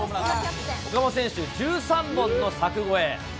岡本選手、１３本の柵越え。